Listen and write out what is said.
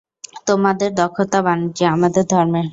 তোমাদের দক্ষতা বাণিজ্যে, আমাদের ধর্মে।